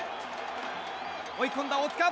追い込んだ大塚。